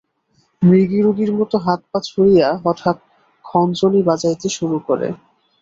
মৃগীরোগীর মতো হাত-পা ছুড়িয়া হঠাৎ খঞ্জনী বাজাইতে শুরু করে!